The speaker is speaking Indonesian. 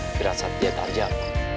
berat saat dia tajam